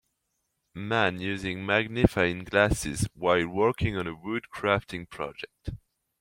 Man using magnifying glasses while working on a wood crafting project.